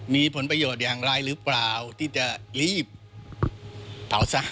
มีผลประโยชน์อย่างไรหรือเปล่าที่จะรีบเผาซะ